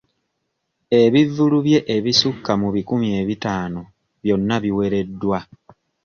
Ebivvulu bye ebisukka mu bikumi ebitaano byonna biwereddwa.